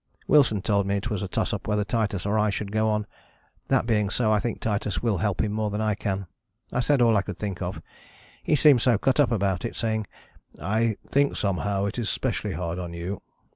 Wilson told me it was a toss up whether Titus or I should go on: that being so I think Titus will help him more than I can. I said all I could think of he seemed so cut up about it, saying 'I think, somehow, it is specially hard on you.'